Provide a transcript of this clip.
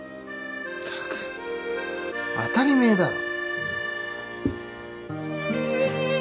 ったく当たり前だろ。